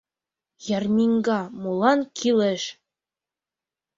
ЯРМИҤГА МОЛАН КӰЛЕШ